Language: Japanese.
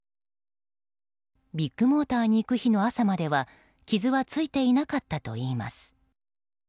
ビッグモーターに行く日の朝までは傷はついていなかったといいます。